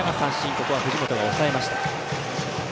ここは藤本が抑えました。